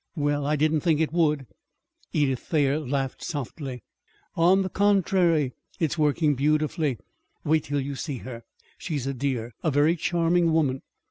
Well, I didn't think it would!" Edith Thayer laughed softly. "On the contrary, it's working beautifully. Wait till you see her. She's a dear a very charming woman.